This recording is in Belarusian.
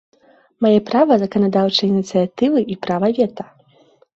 Мае права заканадаўчай ініцыятывы і права вета.